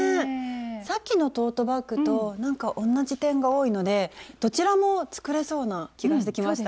さっきのトートバッグとなんか同じ点が多いのでどちらも作れそうな気がしてきました。